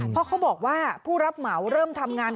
เพราะเขาบอกว่าผู้รับเหมาเริ่มทำงาน